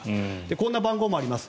こんな番号もあります。